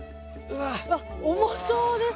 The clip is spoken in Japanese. わっ重そうですね！